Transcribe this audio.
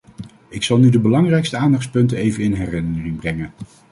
Ik zal nu de belangrijkste aandachtspunten even in herinnering brengen.